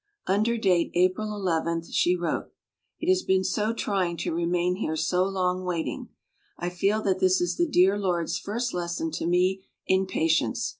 Under date April 11 she wrote: "It has been so trying to remain here so long waiting. I feel that this is the dear Lord's first lesson to me in patience.